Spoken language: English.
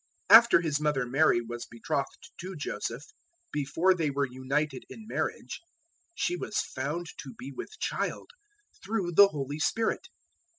After his mother Mary was betrothed to Joseph, before they were united in marriage, she was found to be with child through the Holy Spirit.